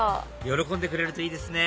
喜んでくれるといいですね